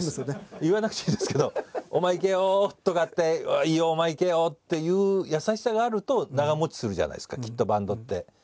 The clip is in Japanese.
言わなくていいですけど「お前いけよ」とかって「いいよお前いけよ」っていう優しさがあると長もちするじゃないですかきっとバンドって。